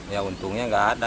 ya untungnya nggak ada